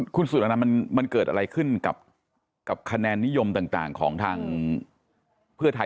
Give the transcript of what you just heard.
คุณสุรนันต์มันเกิดอะไรขึ้นกับคะแนนนิยมต่างของทางเพื่อไทย